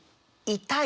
痛い。